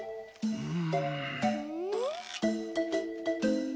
うん。